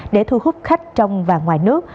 để thu hút khách trong và ngoài nước